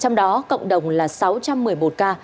trong đó cộng đồng là sáu trăm một mươi một ca